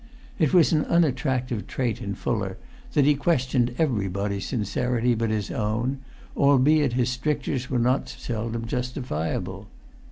It was an unattractive trait in Fuller that he questioned everybody's sincerity but his own, albeit his strictures were not seldom justifiable.